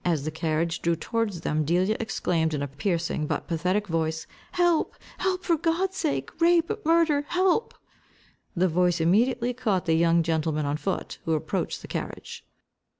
As the carriage drew towards them, Delia exclaimed, in a piercing, but pathetic voice, "Help! help! for God's sake! Rape! Murder! Help!" The voice immediately caught the young gentleman on foot, who approached the carriage.